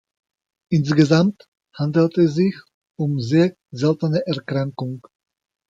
Insgesamt handelt es sich um sehr seltene Erkrankung.